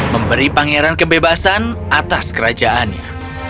memberi pangeran kebebasan atas kerajaannya